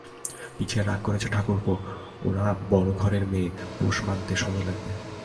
মিছে রাগ করছ ঠাকুরপো, ওরা বড়োঘরের মেয়ে, পোষ মানতে সময় লাগবে।